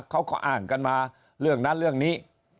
เขาก็อ้างกันมาเรื่องนั้นเรื่องนี้